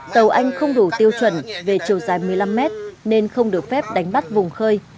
tàu anh không đủ tiêu chuẩn về chiều dài một mươi năm mét nên không được phép đánh bắt vùng khơi